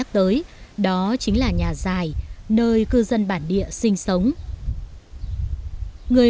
thì với những người yêu voi